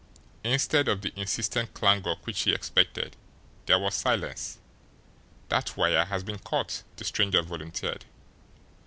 Instead of the insistent clangor which he expected, there was silence. "That wire has been cut," the stranger volunteered.